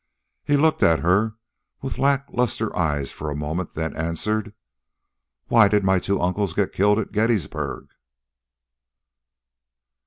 He looked at her with lackluster eyes for a moment, then answered "Why did my two uncles get killed at Gettysburg?"